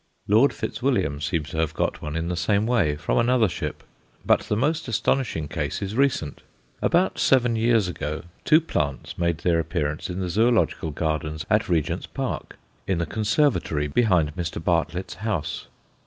Lord Fitzwilliam seems to have got one in the same way, from another ship. But the most astonishing case is recent. About seven years ago two plants made their appearance in the Zoological Gardens at Regent's Park in the conservatory behind Mr. Bartlett's house.